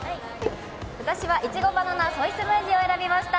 私はいちごバナナソイスムージーを選びました。